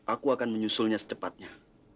aku akan menyusulnya sedepatnya